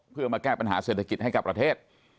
เพื่อมาแก้ปัญหาเศรษฐกิจให้กับประเทศ